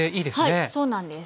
はいそうなんです。